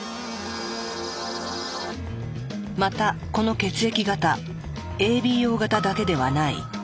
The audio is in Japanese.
またこの血液型ＡＢＯ型だけではない。